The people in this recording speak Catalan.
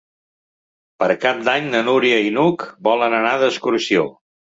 Per Cap d'Any na Núria i n'Hug volen anar d'excursió.